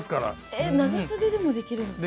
えっ長袖でもできるんですか？